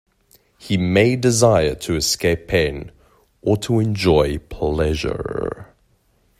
He may desire to escape pain, or to enjoy pleasure.